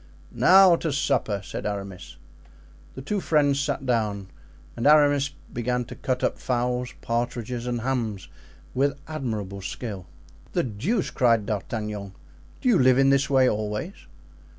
"Now to supper," said Aramis. The two friends sat down and Aramis began to cut up fowls, partridges and hams with admirable skill. "The deuce!" cried D'Artagnan; "do you live in this way always?"